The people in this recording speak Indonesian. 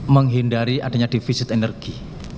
menghindari adanya defisit energi